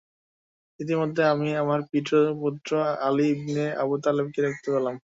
ইতিমধ্যে আমি আমার পিতৃব্যপুত্র আলী ইবনে আবু তালেবকে দেখতে পেলাম।